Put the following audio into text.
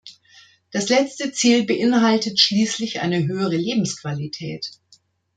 Das letzte Ziel beinhaltet schließlich eine höhere Lebensqualität.